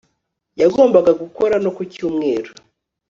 yagombaga gukora no ku cyumweru